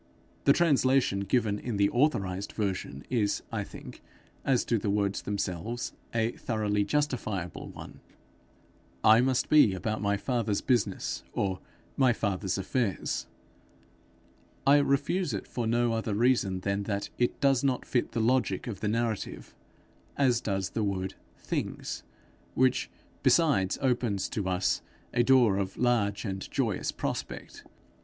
The translation given in the authorized version is, I think, as to the words themselves, a thoroughly justifiable one: 'I must be about my father's business,' or 'my father's affairs'; I refuse it for no other reason than that it does not fit the logic of the narrative, as does the word things, which besides opens to us a door of large and joyous prospect.